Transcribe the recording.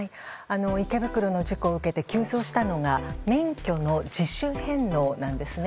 池袋の事故を受けて急増したのが免許の自主返納なんですね。